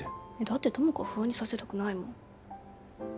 だって友果を不安にさせたくないもん